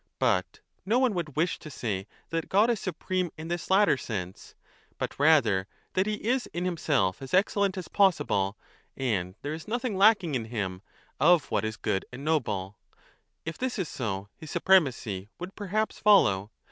But no one would 35 wish to say that God is supreme in this latter sense, but rather that he is in himself as excellent as possible, and there is nothing lacking in him of what is good and noble ; if this is so, his supremacy would perhaps follow.